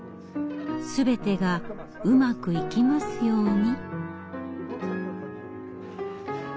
全てがうまくいきますように。